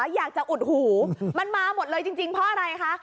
อยากจะอุดหูมันมาหมดเลยจริงจริงเพราะอะไรคะ